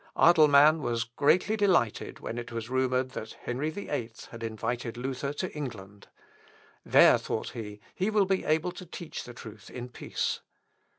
Adelman was greatly delighted when it was rumoured that Henry VIII had invited Luther to England. "There," thought he, "he will be able to teach the truth in peace."